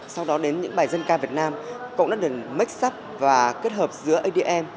sau đó đến những bài dân ca việt nam cũng đã được make up và kết hợp giữa adm